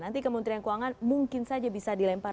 nanti kementerian keuangan mungkin saja bisa dilempar